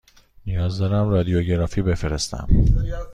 نیاز دارم رادیوگرافی بفرستم.